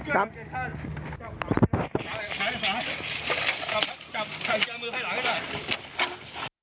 ขอลงขอลงขอลง